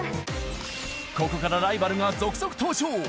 ここからライバルが続々登場。